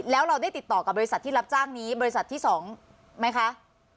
แล้วเราได้ติดต่อกับบริษัทที่รับจ้างนี้บริษัทที่๒ไหมคะ